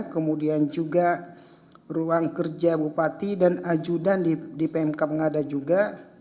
kemudian juga ruang kerja bupati dan ajudan di pmk ngada juga